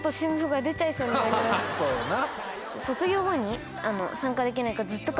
そうよな。